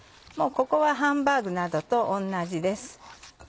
もうここはハンバーグなどと同じです。